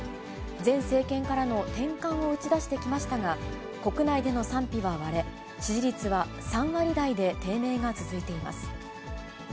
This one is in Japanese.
前政権からの転換を打ち出してきましたが、国内での賛否は割れ、支持率は３割台で低迷が続いています。